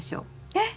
えっ！